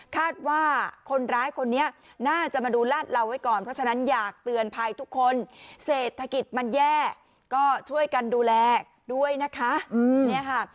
คาดว่าคนร้ายคนนี้น่าจะมาดูลาดเหลาไว้ก่อนเพราะฉะนั้นอยากเตือนภัยทุกคนเศรษฐกิจมันแย่ก็ช่วยกันดูแลด้วยนะคะเนี่ยค่ะ